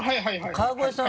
川越さん